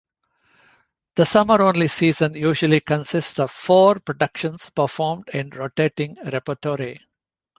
The summer-only season usually consists of four productions performed in rotating repertory.